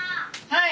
はい。